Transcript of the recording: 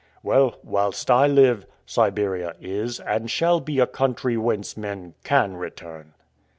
"Well, whilst I live, Siberia is and shall be a country whence men CAN return."